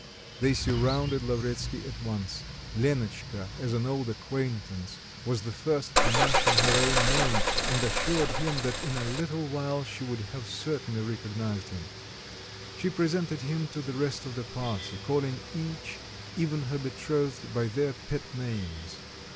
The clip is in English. They surrounded Lavretsky at once; Lenotchka, as an old acquaintance, was the first to mention her own name, and assured him that in a little while she would have certainly recognised him. She presented him to the rest of the party, calling each, even her betrothed, by their pet names.